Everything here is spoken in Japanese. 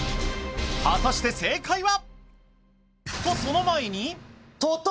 果たして正解は？